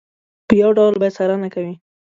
په یو ډول به یې څارنه کوي.